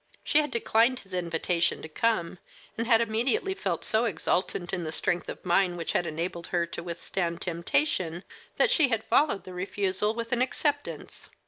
She had declined his invitation to come, and had immediately felt so exultant in the strength of mind which had enabled her to withstand temptation that she had followed the refusal with an acceptance.